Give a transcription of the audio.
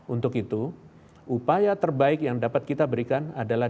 untuk itu upaya terbaik yang dapat kita berikan adalah